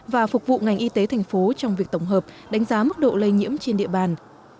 và phục vụ ngành y tế thành phố trong việc tổng hợp đánh giá mức độ lây nhiễm trên địa bàn